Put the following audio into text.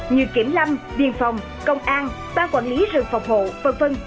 như kiểm lâm viên phòng công an ba quản lý rừng phòng hộ v v